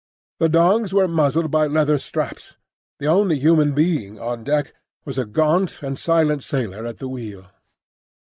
The dogs were muzzled by leather straps. The only human being on deck was a gaunt and silent sailor at the wheel.